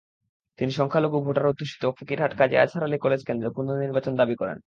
তিনি সংখ্যালঘু ভোটার-অধ্যুষিত ফকিরহাট কাজী আজহার আলী কলেজ কেন্দ্রে পুনর্নির্বাচন দাবি করেন।